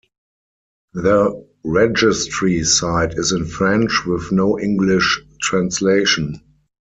The registry site is in French with no English translation.